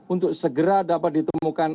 untuk segera dapat ditemukan